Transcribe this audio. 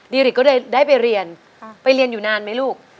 ริกก็เลยได้ไปเรียนไปเรียนอยู่นานไหมลูก